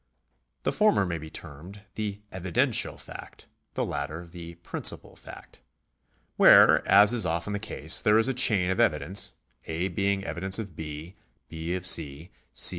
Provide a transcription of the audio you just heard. The former may be termed the evidential fact, the latter the 'principal fact. Where, as is often the case, there is a chain of evidence, A. being evidence of B., B. of C, C.